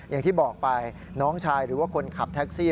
อย่างที่บอกไปน้องชายหรือว่าคนขับแท็กซี่